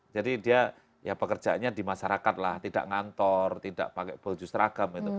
jadi dia ya pekerjaannya di masyarakat lah tidak ngantor tidak pakai bolu justeragam gitu